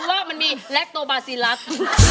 ว่ามันมีแลคโตบาซีลักษณ์